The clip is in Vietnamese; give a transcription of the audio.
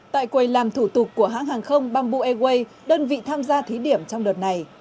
tại quầy làm thủ tục của hãng hàng không bamboo airways đơn vị tham gia thí điểm trong đợt này